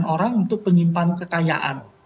orang untuk penyimpan kekayaan